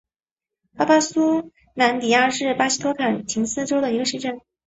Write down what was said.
巴巴苏兰迪亚是巴西托坎廷斯州的一个市镇。